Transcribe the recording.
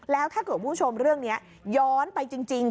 แล้วถ้าเกิดผู้ชมเรื่องนี้ย้อนไปจริง